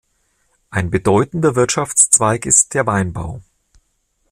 Ein bedeutender Wirtschaftszweig ist der Weinbau.